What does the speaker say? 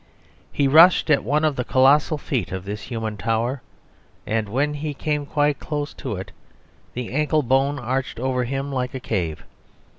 He rushed at one of the colossal feet of this human tower, and when he came quite close to it the ankle bone arched over him like a cave.